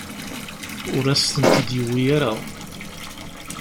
Ur asen-tent-id-yuwi ara.